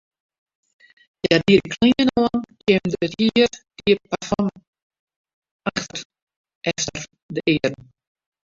Hja die de klean oan, kjimde it hier, die parfum efter de earen.